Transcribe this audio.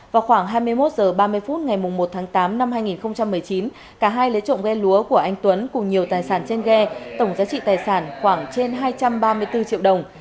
vào khoảng hai mươi một h ba mươi phút ngày một tháng tám năm hai nghìn một mươi chín cả hai lấy trộm ghe lúa của anh tuấn cùng nhiều tài sản trên ghe tổng giá trị tài sản khoảng trên hai trăm ba mươi bốn triệu đồng